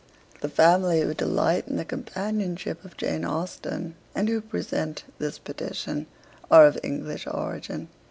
'The family who delight in the companionship of Jane Austen, and who present this petition, are of English origin.